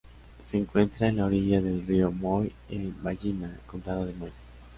Se encuentra en la orilla del río Moy en Ballina, Condado de Mayo.